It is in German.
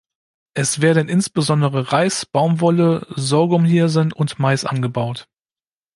Es werden insbesondere Reis, Baumwolle, Sorghumhirsen und Mais angebaut.